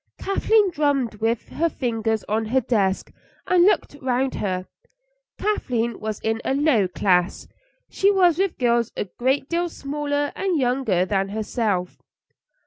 Kathleen drummed with her fingers on her desk and looked round her. Kathleen was in a low class; she was with girls a great deal smaller and younger than herself.